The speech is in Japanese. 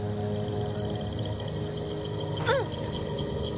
うん。